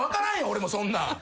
俺もそんなん。